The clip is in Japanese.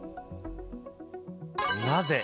なぜ？